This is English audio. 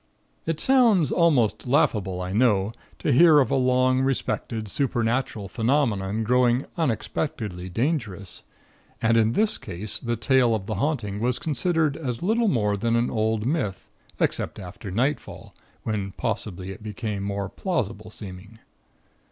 "It sounds almost laughable, I know, to hear of a long respected supernatural phenomenon growing unexpectedly dangerous; and in this case, the tale of the haunting was considered as little more than an old myth, except after nightfall, when possibly it became more plausible seeming.